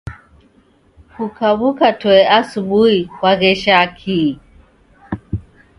Kukaw'uka toe asubuhi kwaghesha kii?